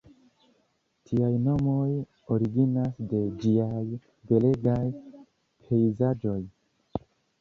Tiaj nomoj originas de ĝiaj belegaj pejzaĝoj.